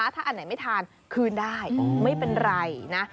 ถ้าอันไหนไม่ทานคืนได้ไม่เป็นไรนะ